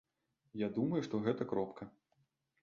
Я думаю, што гэта кропка.